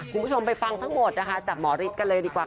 คุณผู้ชมไปฟังทั้งหมดนะคะจากหมอฤทธิ์กันเลยดีกว่า